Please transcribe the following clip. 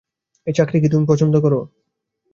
এই চাকরি কি তুমি পছন্দ কর?